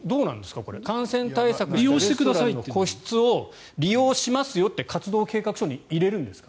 感染対策したレストランの個室を利用しますよと活動計画書に入れるんですか？